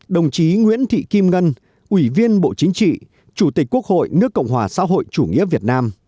đồng chí nguyễn thị kim ngân ủy viên bộ chính trị chủ tịch quốc hội nước cộng hòa xã hội chủ nghĩa việt nam